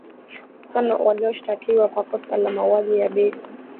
Watano walioshtakiwa kwa kosa la mauwaji ya Biko